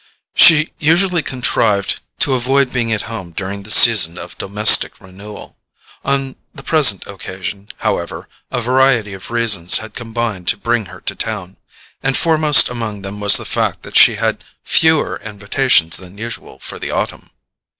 She usually contrived to avoid being at home during the season of domestic renewal. On the present occasion, however, a variety of reasons had combined to bring her to town; and foremost among them was the fact that she had fewer invitations than usual for the autumn.